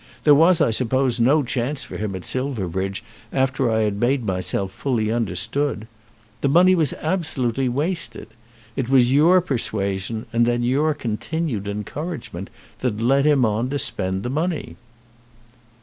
There was, I suppose, no chance for him at Silverbridge after I had made myself fully understood. The money was absolutely wasted. It was your persuasion and then your continued encouragement that led him on to spend the money."